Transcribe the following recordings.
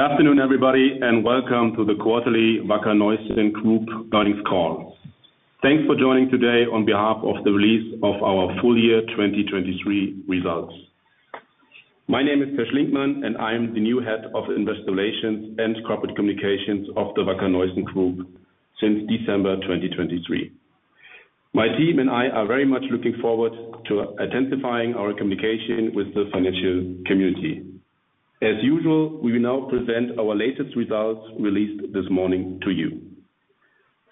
Good afternoon, everybody, and welcome to the quarterly Wacker Neuson Group Earnings Call. Thank for joining today on behalf of the release of our full year 2023 results. My name is Peer Schlinkmann, and I am the new head of investor relations and corporate communications of the Wacker Neuson Group since December 2023. My team and I are very much looking forward to intensifying our communication with the financial community. As usual, we will now present our latest results released this morning to you.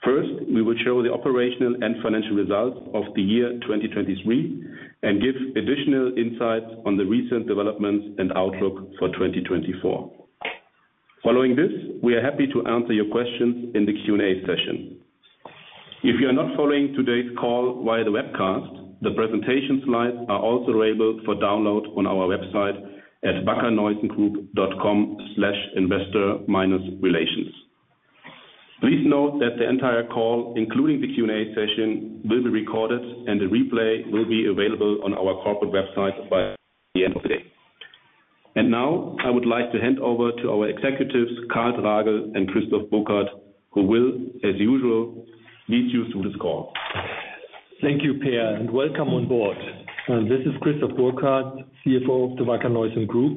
First, we will show the operational and financial results of the year 2023 and give additional insights on the recent developments and outlook for 2024. Following this, we are happy to answer your questions in the Q&A session. If you are not following today's call via the webcast, the presentation slides are also available for download on our website at wackerneuson.com/investor-relatios. Please note that the entire call, including the Q&A session, will be recorded, and a replay will be available on our corporate website by the end of the day. Now I would like to hand over to our executives, Karl Tragl and Christoph Burkhard, who will, as usual, lead you through this call. Thank you, Peer, and welcome on board. This is Christoph Burkhard, CFO of the Wacker Neuson Group.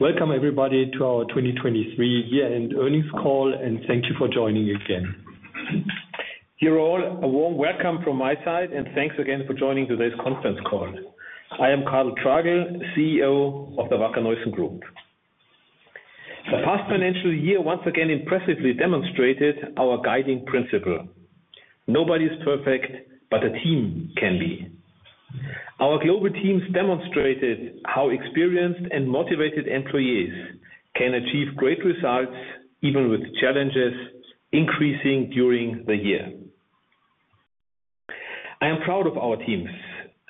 Welcome, everybody, to our 2023 year-end earnings call, and thank you for joining again. You're all a warm welcome from my side, and thanks again for joining today's conference call. I am Karl Tragl, CEO of the Wacker Neuson Group. The past financial year once again impressively demonstrated our guiding principle: nobody is perfect, but a team can be. Our global teams demonstrated how experienced and motivated employees can achieve great results even with challenges increasing during the year. I am proud of our teams,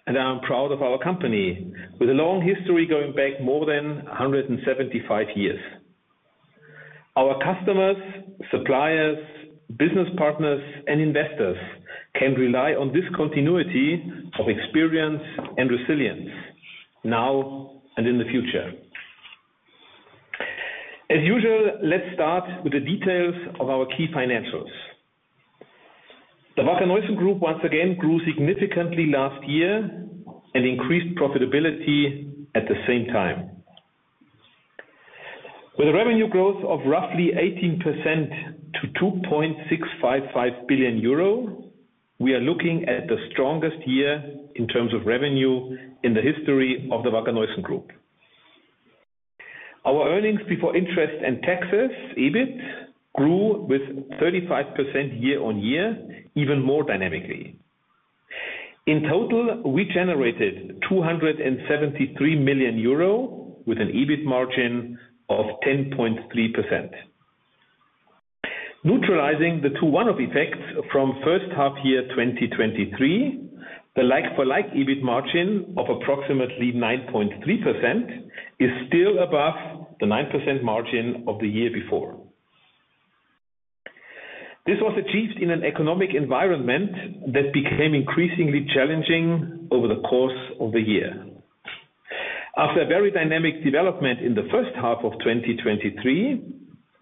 and I am proud of our company with a long history going back more than 175 years. Our customers, suppliers, business partners, and investors can rely on this continuity of experience and resilience now and in the future. As usual, let's start with the details of our key financials. The Wacker Neuson Group once again grew significantly last year and increased profitability at the same time. With a revenue growth of roughly 18% to 2.655 billion euro, we are looking at the strongest year in terms of revenue in the history of the Wacker Neuson Group. Our earnings before interest and taxes, EBIT, grew with 35% year-on-year, even more dynamically. In total, we generated 273 million euro with an EBIT margin of 10.3%. Neutralizing the two one-off effects from first half-year 2023, the like-for-like EBIT margin of approximately 9.3% is still above the 9% margin of the year before. This was achieved in an economic environment that became increasingly challenging over the course of the year. After a very dynamic development in the first half of 2023,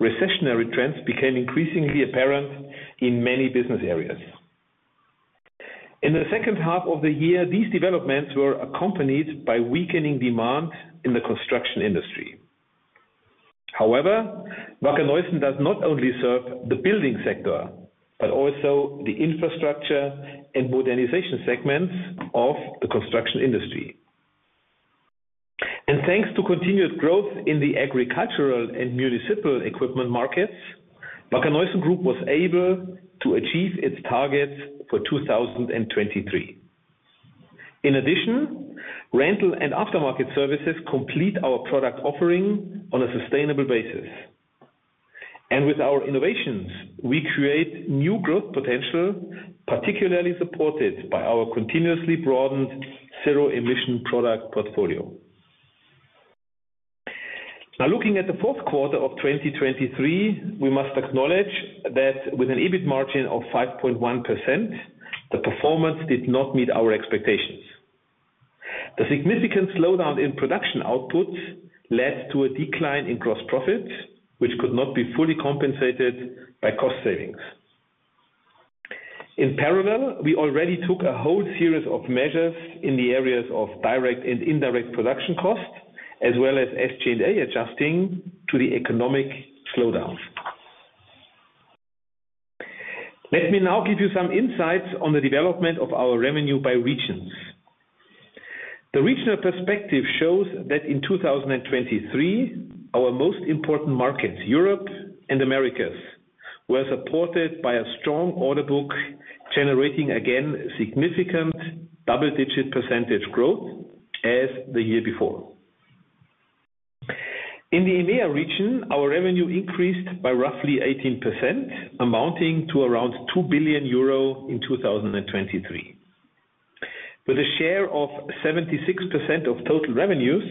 recessionary trends became increasingly apparent in many business areas. In the second half of the year, these developments were accompanied by weakening demand in the construction industry. However, Wacker Neuson does not only serve the building sector but also the infrastructure and modernization segments of the construction industry. Thanks to continued growth in the agricultural and municipal equipment markets, Wacker Neuson Group was able to achieve its targets for 2023. In addition, rental and aftermarket services complete our product offering on a sustainable basis. With our innovations, we create new growth potential, particularly supported by our continuously broadened zero-emission product portfolio. Now, looking at the fourth quarter of 2023, we must acknowledge that with an EBIT margin of 5.1%, the performance did not meet our expectations. The significant slowdown in production outputs led to a decline in gross profits, which could not be fully compensated by cost savings. In parallel, we already took a whole series of measures in the areas of direct and indirect production costs, as well as SG&A adjusting to the economic slowdowns. Let me now give you some insights on the development of our revenue by regions. The regional perspective shows that in 2023, our most important markets, Europe and Americas, were supported by a strong order book, generating again significant double-digit percentage growth as the year before. In the EMEA region, our revenue increased by roughly 18%, amounting to around 2 billion euro in 2023. With a share of 76% of total revenues,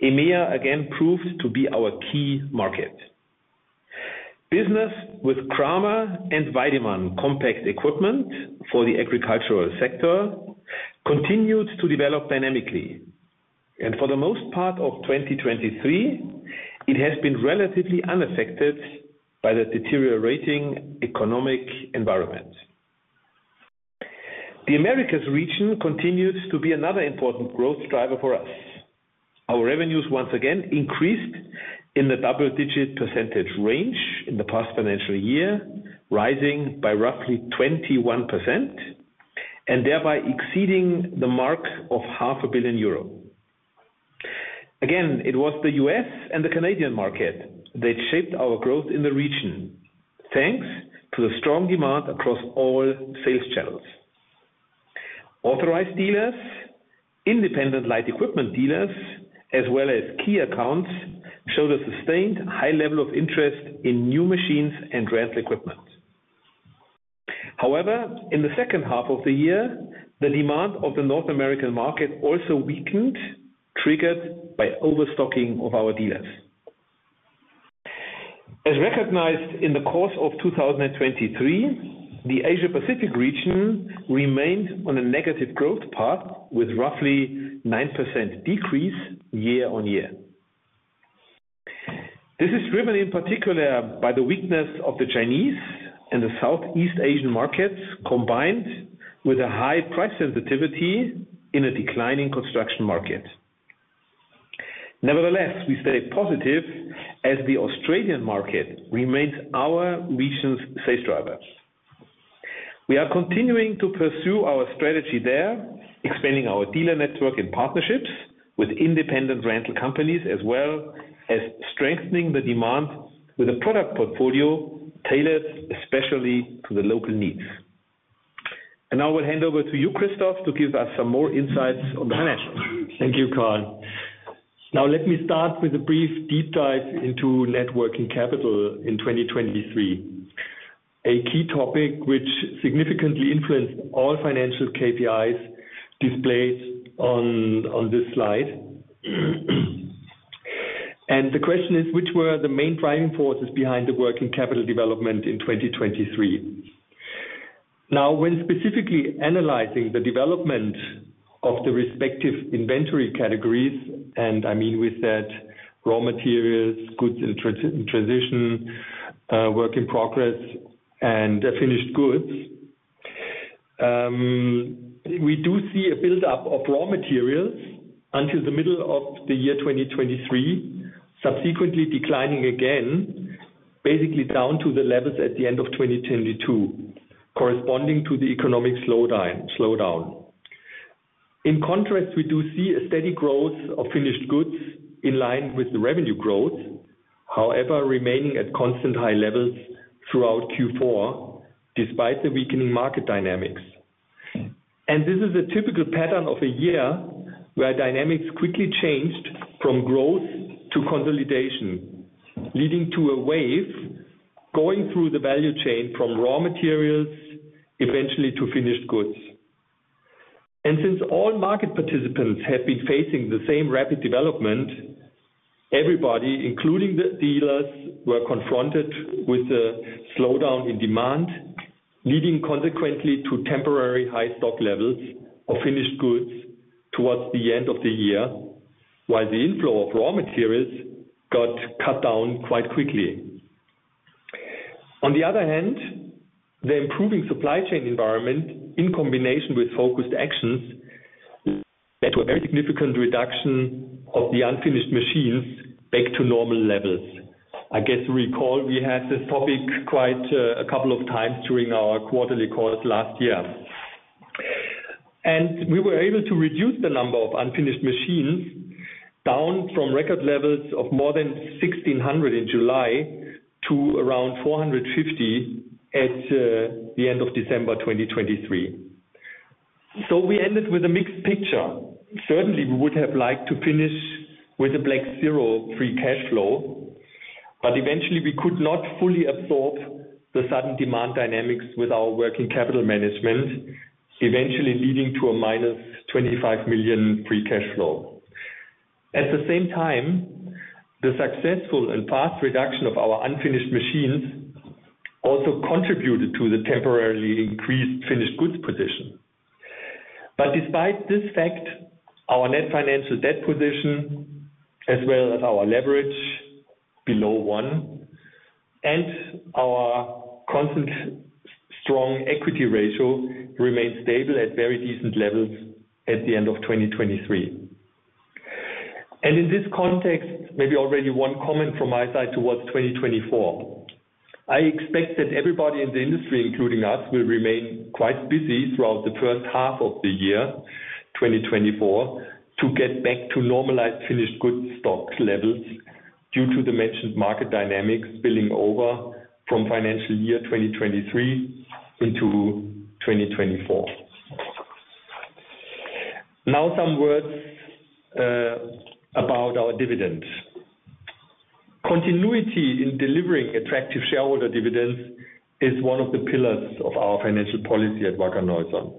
EMEA again proved to be our key market. Business with Kramer and Weidemann Compact Equipment for the agricultural sector continued to develop dynamically. For the most part of 2023, it has been relatively unaffected by the deteriorating economic environment. The Americas region continued to be another important growth driver for us. Our revenues once again increased in the double-digit percentage range in the past financial year, rising by roughly 21% and thereby exceeding the mark of 500 million euro. Again, it was the U.S. and the Canadian market that shaped our growth in the region thanks to the strong demand across all sales channels. Authorized dealers, independent light equipment dealers, as well as key accounts, showed a sustained high level of interest in new machines and rental equipment. However, in the second half of the year, the demand of the North American market also weakened, triggered by overstocking of our dealers. As recognized in the course of 2023, the Asia-Pacific region remained on a negative growth path with roughly 9% decrease year-on-year. This is driven in particular by the weakness of the Chinese and the Southeast Asian markets combined with a high price sensitivity in a declining construction market. Nevertheless, we stay positive as the Australian market remains our region's sales driver. We are continuing to pursue our strategy there, expanding our dealer network and partnerships with independent rental companies, as well as strengthening the demand with a product portfolio tailored especially to the local needs. Now I will hand over to you, Christoph, to give us some more insights on the financials. Thank you, Karl. Now, let me start with a brief deep dive into net working capital in 2023, a key topic which significantly influenced all financial KPIs displayed on, on this slide. The question is, which were the main driving forces behind the working capital development in 2023? Now, when specifically analyzing the development of the respective inventory categories, and I mean with that raw materials, goods in transition, work in progress, and finished goods, we do see a buildup of raw materials until the middle of the year 2023, subsequently declining again, basically down to the levels at the end of 2022, corresponding to the economic slowdown. In contrast, we do see a steady growth of finished goods in line with the revenue growth, however, remaining at constant high levels throughout Q4 despite the weakening market dynamics. This is a typical pattern of a year where dynamics quickly changed from growth to consolidation, leading to a wave going through the value chain from raw materials eventually to finished goods. Since all market participants have been facing the same rapid development, everybody, including the dealers, were confronted with a slowdown in demand, leading consequently to temporary high stock levels of finished goods towards the end of the year, while the inflow of raw materials got cut down quite quickly. On the other hand, the improving supply chain environment in combination with focused actions led to a very significant reduction of the unfinished machines back to normal levels. I guess you recall we had this topic quite a couple of times during our quarterly calls last year. And we were able to reduce the number of unfinished machines down from record levels of more than 1,600 in July to around 450 at the end of December 2023. So we ended with a mixed picture. Certainly, we would have liked to finish with a black zero free cash flow, but eventually we could not fully absorb the sudden demand dynamics with our working capital management, eventually leading to a -25 million free cash flow. At the same time, the successful and fast reduction of our unfinished machines also contributed to the temporarily increased finished goods position. But despite this fact, our net financial debt position, as well as our leverage below one, and our constant strong equity ratio remained stable at very decent levels at the end of 2023. And in this context, maybe already one comment from my side towards 2024. I expect that everybody in the industry, including us, will remain quite busy throughout the first half of the year 2024 to get back to normalized finished goods stock levels due to the mentioned market dynamics spilling over from financial year 2023 into 2024. Now, some words about our dividend. Continuity in delivering attractive shareholder dividends is one of the pillars of our financial policy at Wacker Neuson.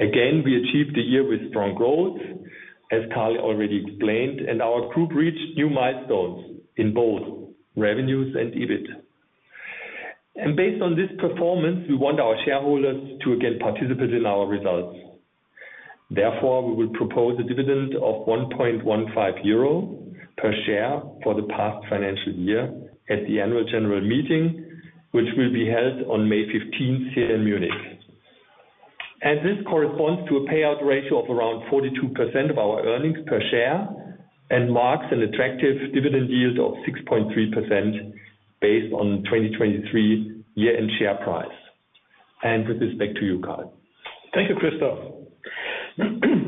Again, we achieved the year with strong growth, as Karl already explained, and our group reached new milestones in both revenues and EBIT. Based on this performance, we want our shareholders to again participate in our results. Therefore, we will propose a dividend of 1.15 euro per share for the past financial year at the Annual General Meeting, which will be held on May 15th here in Munich. This corresponds to a payout ratio of around 42% of our earnings per share and marks an attractive dividend yield of 6.3% based on 2023 year-end share price. With this, back to you, Karl. Thank you, Christoph.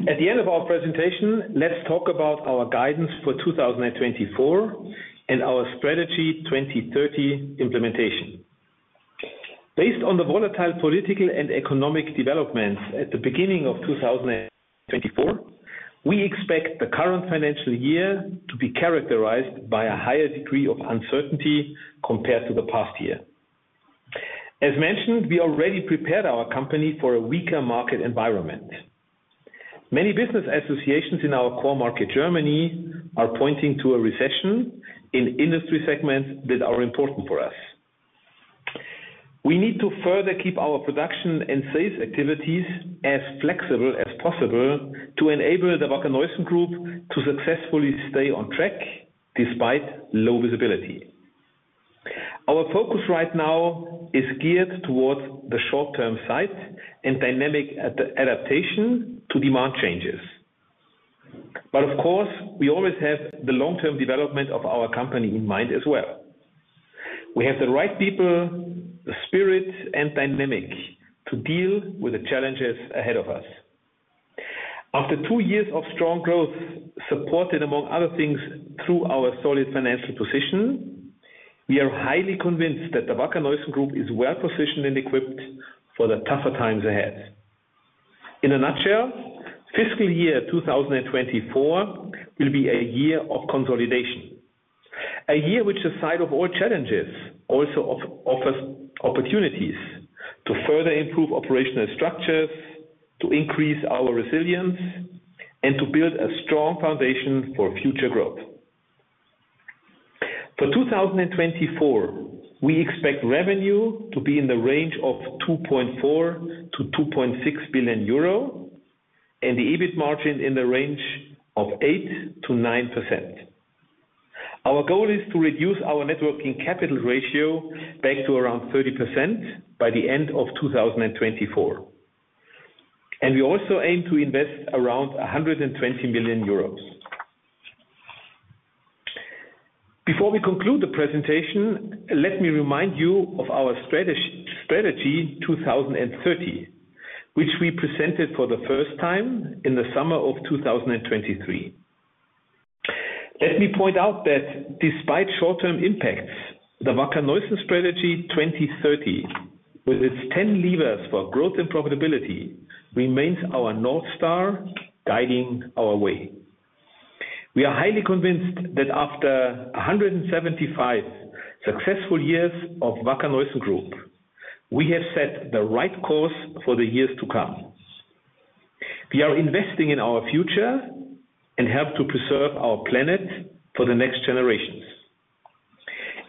At the end of our presentation, let's talk about our guidance for 2024 and our Strategy 2030 implementation. Based on the volatile political and economic developments at the beginning of 2024, we expect the current financial year to be characterized by a higher degree of uncertainty compared to the past year. As mentioned, we already prepared our company for a weaker market environment. Many business associations in our core market, Germany, are pointing to a recession in industry segments that are important for us. We need to further keep our production and sales activities as flexible as possible to enable the Wacker Neuson Group to successfully stay on track despite low visibility. Our focus right now is geared towards the short-term sight and dynamic adaptation to demand changes. But of course, we always have the long-term development of our company in mind as well. We have the right people, the spirit, and dynamic to deal with the challenges ahead of us. After two years of strong growth supported, among other things, through our solid financial position, we are highly convinced that the Wacker Neuson Group is well positioned and equipped for the tougher times ahead. In a nutshell, fiscal year 2024 will be a year of consolidation, a year which, despite all challenges, also offers opportunities to further improve operational structures, to increase our resilience, and to build a strong foundation for future growth. For 2024, we expect revenue to be in the range of 2.4-2.6 billion euro and the EBIT margin in the range of 8%-9%. Our goal is to reduce our net working capital ratio back to around 30% by the end of 2024. We also aim to invest around 120 million euros. Before we conclude the presentation, let me remind you of our Strategy 2030, which we presented for the first time in the summer of 2023. Let me point out that despite short-term impacts, the Wacker Neuson Strategy 2030, with its 10 levers for growth and profitability, remains our north star guiding our way. We are highly convinced that after 175 successful years of Wacker Neuson Group, we have set the right course for the years to come. We are investing in our future and help to preserve our planet for the next generations.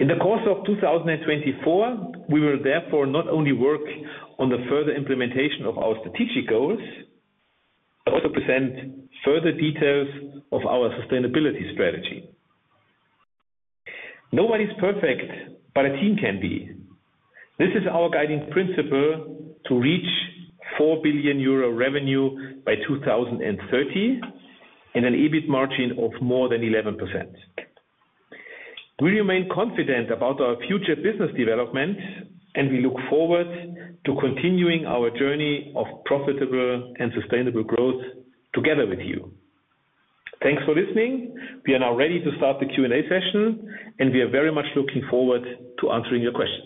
In the course of 2024, we will therefore not only work on the further implementation of our strategic goals, but also present further details of our sustainability strategy. Nobody's perfect, but a team can be. This is our guiding principle to reach 4 billion euro revenue by 2030 and an EBIT margin of more than 11%. We remain confident about our future business development, and we look forward to continuing our journey of profitable and sustainable growth together with you. Thanks for listening. We are now ready to start the Q&A session, and we are very much looking forward to answering your questions.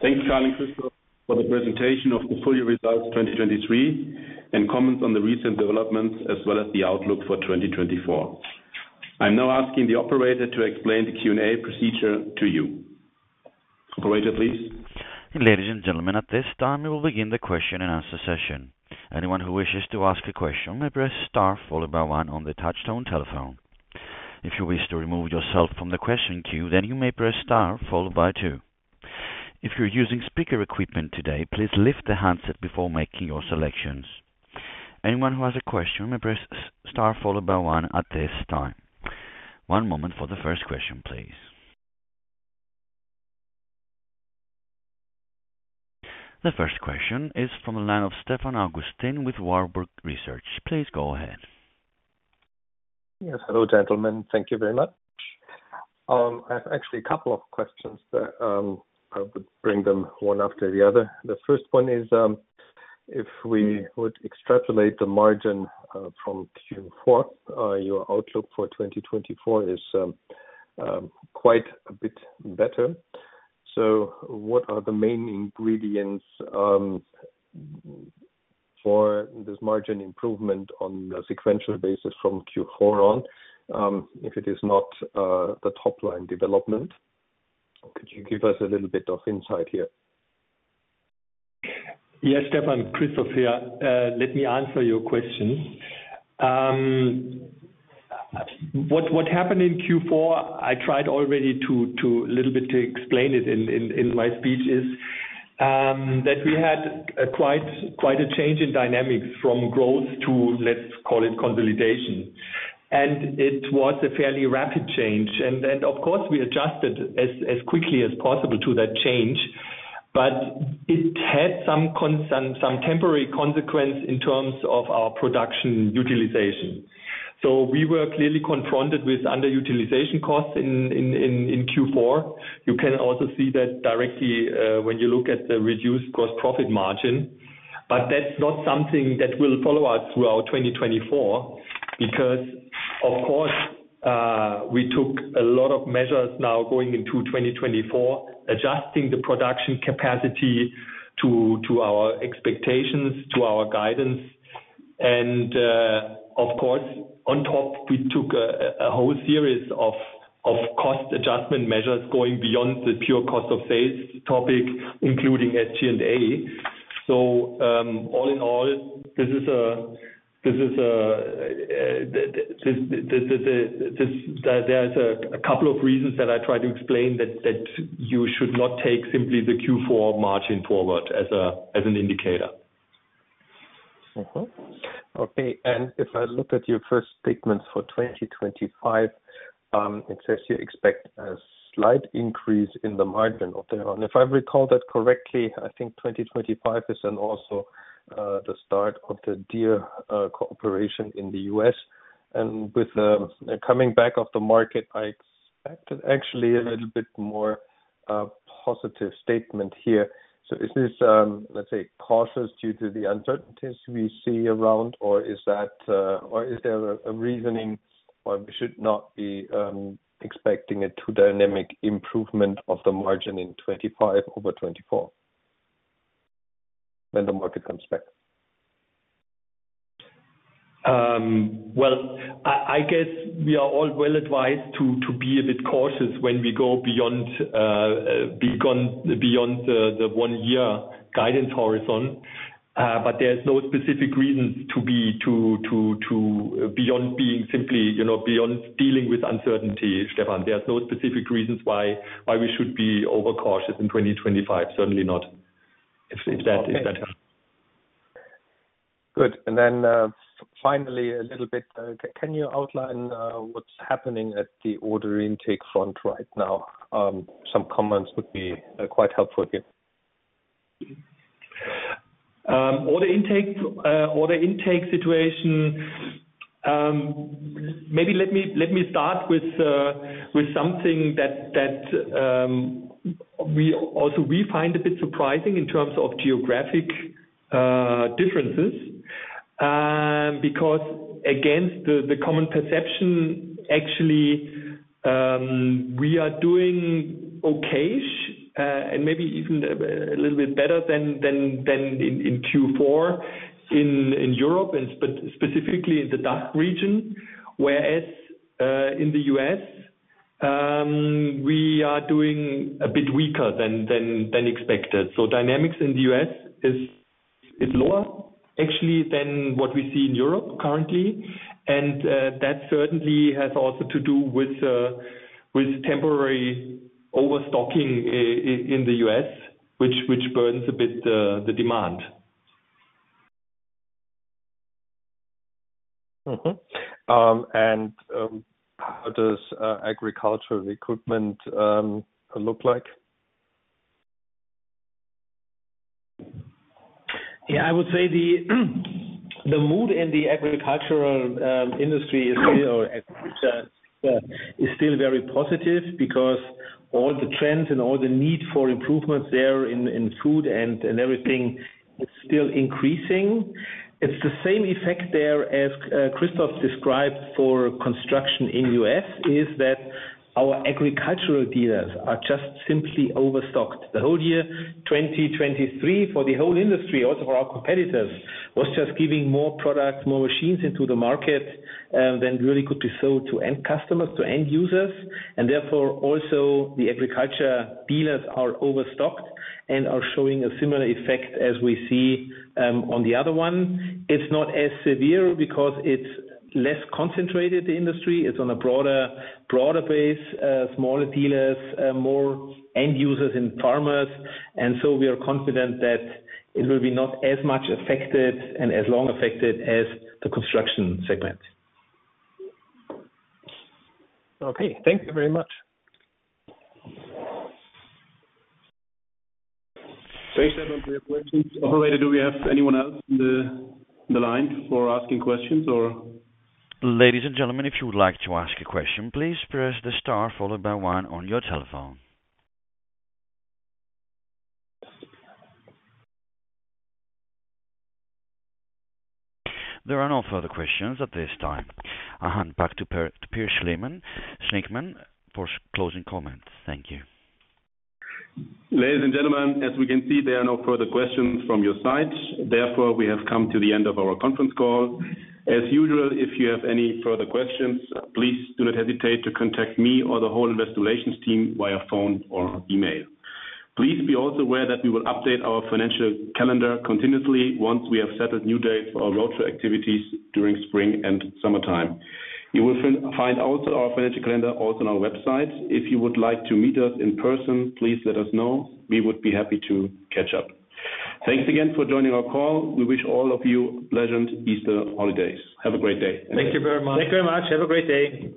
Thanks, Karl and Christoph, for the presentation of the full year results 2023 and comments on the recent developments as well as the outlook for 2024. I'm now asking the operator to explain the Q&A procedure to you. Operator, please. Ladies and gentlemen, at this time, we will begin the question and answer session. Anyone who wishes to ask a question may press star followed by one on the touch tone telephone. If you wish to remove yourself from the question queue, then you may press star followed by two. If you're using speaker equipment today, please lift the handset before making your selections. Anyone who has a question may press star followed by one at this time. One moment for the first question, please. The first question is from the line of Stefan Augustin with Warburg Research. Please go ahead. Yes. Hello, gentlemen. Thank you very much. I have actually a couple of questions that I would bring them one after the other. The first one is, if we would extrapolate the margin from Q4, your outlook for 2024 is quite a bit better. So what are the main ingredients for this margin improvement on the sequential basis from Q4 on, if it is not the top-line development? Could you give us a little bit of insight here? Yes, Stefan. Christoph here. Let me answer your question. What happened in Q4? I tried already to a little bit explain it in my speech is that we had quite a change in dynamics from growth to, let's call it, consolidation. And it was a fairly rapid change. And of course, we adjusted as quickly as possible to that change. But it had some temporary consequence in terms of our production utilization. So we were clearly confronted with underutilization costs in Q4. You can also see that directly when you look at the reduced gross profit margin. But that's not something that will follow us throughout 2024 because, of course, we took a lot of measures now going into 2024, adjusting the production capacity to our expectations, to our guidance. Of course, on top, we took a whole series of cost adjustment measures going beyond the pure cost of sales topic, including SG&A. All in all, there is a couple of reasons that I try to explain that you should not take simply the Q4 margin forward as an indicator. Mm-hmm. Okay. And if I look at your first statements for 2025, it says you expect a slight increase in the margin of the, and if I recall that correctly, I think 2025 is also the start of the Deere Cooperation in the U.S.. And with the coming back of the market, I expected actually a little bit more positive statement here. So is this, let's say, cautious due to the uncertainties we see around, or is that, or is there a reasoning why we should not be expecting a too dynamic improvement of the margin in 2025 over 2024 when the market comes back? Well, I guess we are all well advised to be a bit cautious when we go beyond the one-year guidance horizon. But there's no specific reasons to be too beyond being simply, you know, beyond dealing with uncertainty, Stefan. There's no specific reasons why we should be overcautious in 2025. Certainly not if that helps. Okay. Good. And then, finally, a little bit, can you outline what's happening at the order intake front right now? Some comments would be quite helpful here. Order intake situation, maybe let me start with something that we also find a bit surprising in terms of geographic differences, because against the common perception, actually, we are doing okay-ish, and maybe even a little bit better than in Q4 in Europe and specifically in the DACH region, whereas in the U.S., we are doing a bit weaker than expected. So dynamics in the U.S. is lower, actually, than what we see in Europe currently. That certainly has also to do with temporary overstocking in the U.S., which burdens a bit the demand. Mm-hmm. How does agricultural equipment look like? Yeah. I would say the mood in the agricultural industry is still, or agriculture, is still very positive because all the trends and all the need for improvements there in food and everything is still increasing. It's the same effect there as Christoph described for construction in the U.S., is that our agricultural dealers are just simply overstocked. The whole year 2023 for the whole industry, also for our competitors, was just giving more products, more machines into the market than really could be sold to end customers, to end users. And therefore, also, the agriculture dealers are overstocked and are showing a similar effect as we see on the other one. It's not as severe because it's less concentrated, the industry. It's on a broader base, smaller dealers, more end users and farmers. We are confident that it will be not as much affected and as long affected as the construction segment. Okay. Thank you very much. Thanks, Stefan. We have questions. Operator, do we have anyone else in the line for asking questions, or? Ladies and gentlemen, if you would like to ask a question, please press the star followed by one on your telephone. There are no further questions at this time. I'll hand back to Peer Schlinkmann for closing comments. Thank you. Ladies and gentlemen, as we can see, there are no further questions from your side. Therefore, we have come to the end of our conference call. As usual, if you have any further questions, please do not hesitate to contact me or the whole Investor Relations team via phone or email. Please be also aware that we will update our financial calendar continuously once we have settled new dates for our roadshow activities during spring and summertime. You will find also our financial calendar also on our website. If you would like to meet us in person, please let us know. We would be happy to catch up. Thanks again for joining our call. We wish all of you pleasant Easter holidays. Have a great day. Thank you very much. Thank you very much. Have a great day.